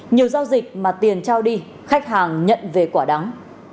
nhiều giao dịch mà tiền trao đi khách hàng nhận về quả đắng